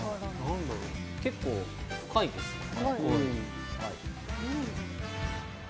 結構深いですよね。